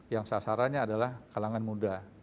yang sasarannya adalah kalangan muda